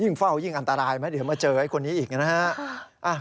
ยิ่งเฝ้ายิ่งอันตรายเดี๋ยวมาเจอคนนี้อีกนะครับ